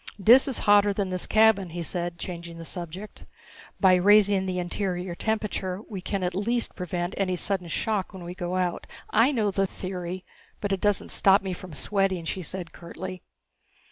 "Dis is hotter than this cabin," he said, changing the subject. "By raising the interior temperature we can at least prevent any sudden shock when we go out " "I know the theory but it doesn't stop me from sweating," she said curtly.